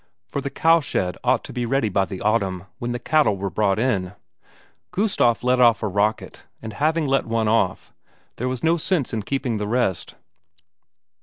For the cowshed ought to be ready by the autumn, when the cattle were brought in. Gustaf let off a rocket, and having let off one, there was no sense in keeping the rest.